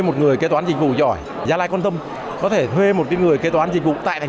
một người kế toán dịch vụ giỏi gia lai quan tâm có thể thuê một người kế toán dịch vụ tại thành